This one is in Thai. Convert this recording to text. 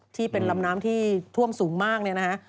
ที่เป็นลำน้ำที่ท่วมสูงมากเนี่ยนะฮะ